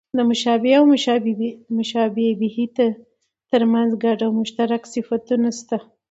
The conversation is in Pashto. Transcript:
د مشبه او مشبه به؛ تر منځ ګډ او مشترک صفتونه سته.